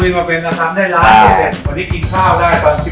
ไม่ต้องมาเลือกบ่าแมงงูจะไม่ต้องมาเลือกและผิด